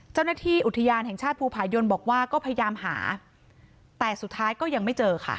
เจ้าหน้าที่อุทยานแห่งชาติภูผายนบอกว่าก็พยายามหาแต่สุดท้ายก็ยังไม่เจอค่ะ